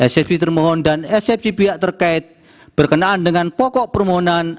safe termohon dan sft pihak terkait berkenaan dengan pokok permohonan